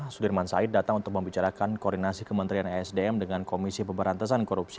sudirman said datang untuk membicarakan koordinasi kementerian esdm dengan komisi pemberantasan korupsi